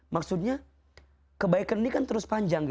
maksudnya kebaikan ini kan terus panjang